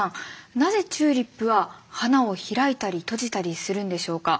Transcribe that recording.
なぜチューリップは花を開いたり閉じたりするんでしょうか？